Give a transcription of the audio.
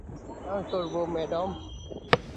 আমি করব, ম্যাডাম।